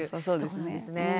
そうですね。